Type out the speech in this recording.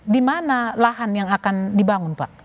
di mana lahan yang akan dibangun pak